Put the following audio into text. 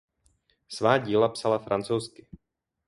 Svá díla psala francouzsky.